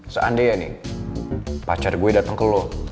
seandainya nih pacar gue datang ke lo